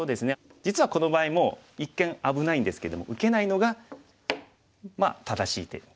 実はこの場合もう一見危ないんですけども受けないのが正しい手になりますね。